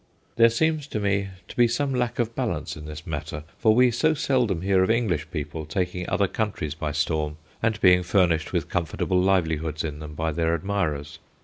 There seems to me to be some lack of balance in this matter, for we so seldom hear of English people taking other countries by storm and being furnished with comfortable livelihoods in them by their admirers.